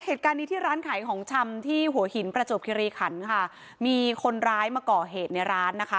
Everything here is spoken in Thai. เหตุการณ์นี้ที่ร้านขายของชำที่หัวหินประจวบคิริขันค่ะมีคนร้ายมาก่อเหตุในร้านนะคะ